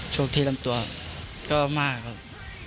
โชคที่ลำตัวก็มากครับ